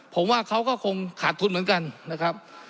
ผมว่าเขาก็คงขาดทุนเหมือนกันนะครับ